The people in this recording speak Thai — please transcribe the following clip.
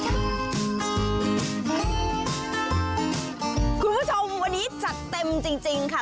คุณผู้ชมวันนี้จัดเต็มจริงค่ะ